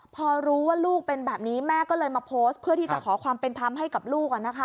พอรู้ว่าลูกเป็นแบบนี้แม่ก็เลยมาโพสต์เพื่อที่จะขอความเป็นธรรมให้กับลูก